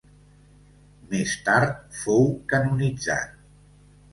Més tard fou canonitzat.